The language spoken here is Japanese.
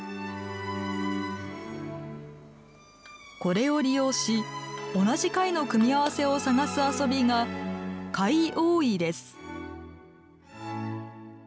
これを利用し同じ貝の組み合わせを探す遊びが「貝覆い」です。